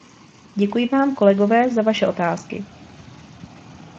Děkuji vám, kolegové, za vaše otázky.